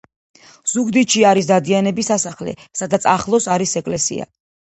ზუგდიდში არის დადიანების სასახლე სადაც ახლოს არის ეკლესია